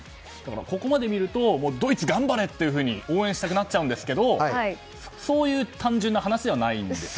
ここまで見るとドイツ頑張れ！と応援したくなっちゃうんですけどそういう単純な話ではないんですよね。